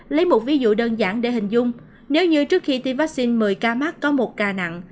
lấy một ví dụ đơn giản để hình dung nếu như trước khi tiêm vaccine một mươi ca mắc có một ca nặng